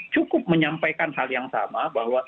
cukup menyampaikan hal yang sama bahwa